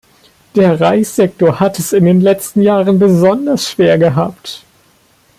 Der Reissektor hat es in den letzten Jahren besonders schwer gehabt.